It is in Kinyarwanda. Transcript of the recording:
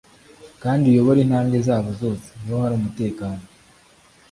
kandi iyobore intambwe zabo zose, ni ho hari umutekano